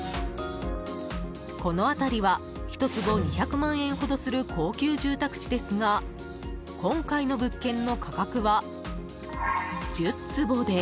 この辺りは１坪２００万円ほどする高級住宅地ですが今回の物件の価格は１０坪で。